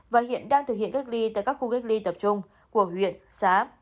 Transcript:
và hiện đang thực hiện cách ly tại các khu cách ly tập trung của huyện xá